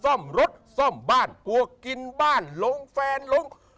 ซ่อมรถซ่อมบ้านกลัวกินบ้านลงแฟนลง